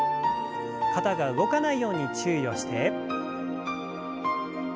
肩が動かないように注意をして。